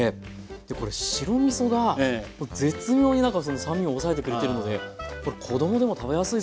これ白みそが絶妙になんかその酸味を抑えてくれてるのでこれ子供でも食べやすいでしょうね。